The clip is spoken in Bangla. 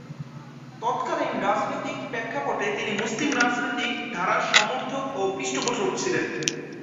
তৎকালীন রাজনৈতিক প্রেক্ষাপটে তিনি মুসলিম রাজনৈতিক ধারার সমর্থক ও পৃষ্ঠপোষক ছিলেন।